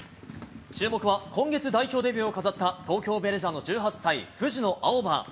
注目は、今月代表デビューを飾った、東京ベレーザの１８歳、藤野あおば。